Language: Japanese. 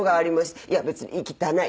いや別に行きたない